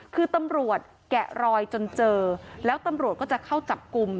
คือตำรวจแกะรอยจนเจอแล้วตำรวจก็จะเข้าจับกลุ่ม